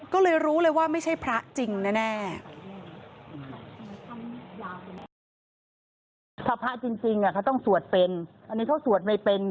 ก็เลยรู้เลยว่าไม่ใช่พระจริงแน่